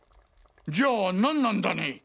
じゃあ何なんだね？